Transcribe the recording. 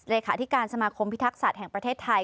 เลขาธิการสมาคมพิทักษัตว์แห่งประเทศไทย